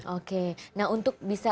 oke nah untuk bisa